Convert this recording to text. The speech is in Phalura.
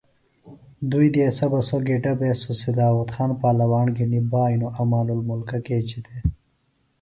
دوئی دیسہ بہ سوۡ گِڈہ بےۡ سو سِداوت خان پالواݨ گِھنیۡ بائنوۡ امان المُلکہ کیچیۡ تھےۡ